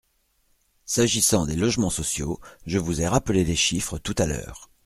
S’agissant des logements sociaux, je vous ai rappelé les chiffres tout à l’heure.